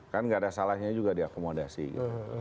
kan gak ada salahnya juga diakomodasi gitu